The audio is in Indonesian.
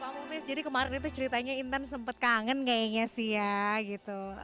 pak mufes jadi kemarin itu ceritanya intan sempat kangen kayaknya sih ya gitu